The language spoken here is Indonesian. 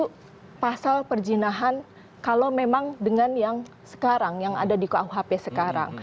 itu pasal perjinahan kalau memang dengan yang sekarang yang ada di kuhp sekarang